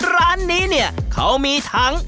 ร้านนี้เนี่ยเขามีทั้ง